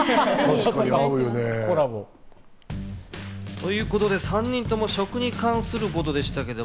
確かに合うよね。ということで３人とも食に関することでしたけど。